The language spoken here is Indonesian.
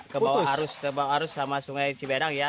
ke bawah arus sama sungai ciberang ya